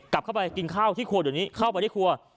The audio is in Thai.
กลับเข้าไปกินข้าวที่ครัวเดี๋ยวนี้เข้าไปที่ครัว